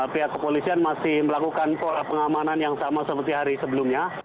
pihak kepolisian masih melakukan pola pengamanan yang sama seperti hari sebelumnya